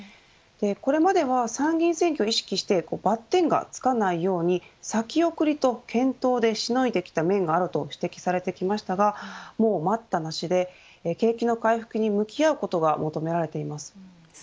これまでは参議院選挙を意識してバッテンがつかないように先送りでしのいできた面があると指摘されてきましたがもう待ったなしで景気の回復に向き合うことが求められています。